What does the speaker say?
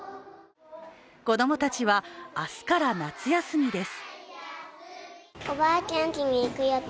子供たちは、明日から夏休みです。